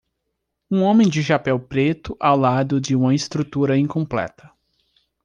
Um homem de chapéu preto ao lado de uma estrutura incompleta.